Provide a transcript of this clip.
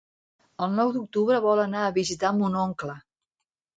El nou d'octubre vol anar a visitar mon oncle.